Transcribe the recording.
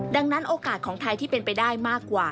ดังนั้นโอกาสของไทยที่เป็นไปได้มากกว่า